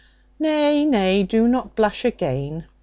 Nay, nay, do not blush again.